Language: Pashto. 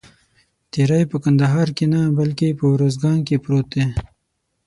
تیری په کندهار کې نه بلکې په اوروزګان کې پروت دی.